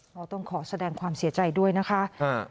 เราต้องขอแสดงความเสียใจด้วยนะคะ